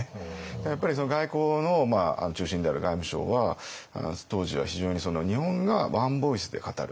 だからやっぱり外交の中心である外務省は当時は非常に日本がワンボイスで語る。